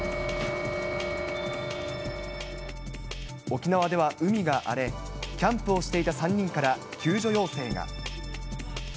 沖縄では海が荒れ、キャンプをしていた３人から救助要請が。